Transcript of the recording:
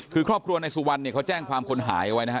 คือครอบครัวนายสุวรรณเนี่ยเขาแจ้งความคนหายเอาไว้นะฮะ